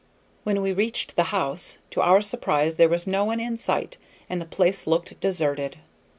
When we reached the house, to our surprise there was no one in sight and the place looked deserted.